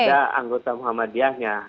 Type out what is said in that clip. kepada anggota muhammadiyahnya